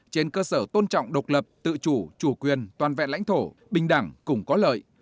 trên cơ sở tôn trọng độc lập tự chủ chủ quyền toàn vẹn lãnh thổ bình đẳng cùng có lợi